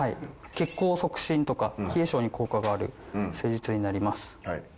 血行促進とか冷え性に効果がある施術になります。